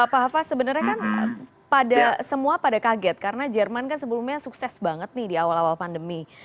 pak hafaz sebenarnya kan semua pada kaget karena jerman kan sebelumnya sukses banget nih di awal awal pandemi